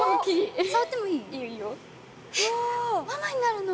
えっママになるの？